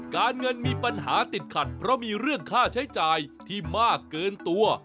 การเงินมีปัญหาติดขัดเพราะมีเรื่องค่าใช้จ่ายที่มากเกินตัว